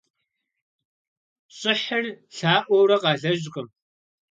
ЩӀыхьыр лъаӀуэурэ къалэжькъым.